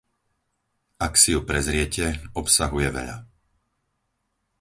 Ak si ju prezriete, obsahuje veľa.